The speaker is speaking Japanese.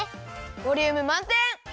ボリュームまんてん！